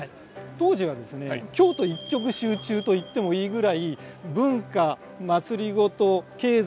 当時はですね京都一極集中と言ってもいいぐらい文化まつりごと経済